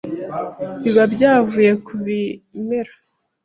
biba byavuye ku bimera